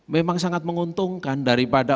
memang sangat menguntungkan daripada